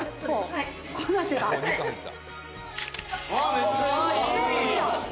「めっちゃいい！」